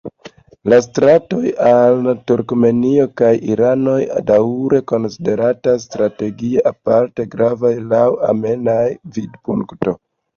La stratoj al Turkmenio kaj Irano daŭre konsideratas strategie aparte gravaj laŭ armea vidpunkto.